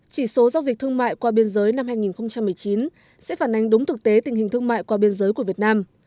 chỉ số giao dịch thương mại qua biên giới năm hai nghìn một mươi chín sẽ phản ánh đúng thực tế tình hình thương mại qua biên giới của việt nam